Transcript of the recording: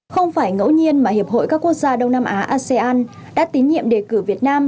không phải ngẫu nhiên mà hiệp hội các quốc gia đông nam á asean đã tín nhiệm đề cử việt nam